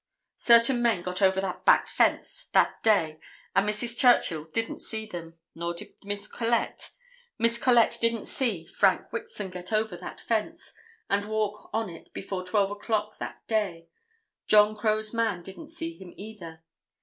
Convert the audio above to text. Certain men got over that back fence that day and Mrs. Churchill didn't see them, nor did Miss Collette. Miss Collette didn't see Frank Wixon get over that fence and walk on it before 12 o'clock that day. John Crowe's man didn't see him either.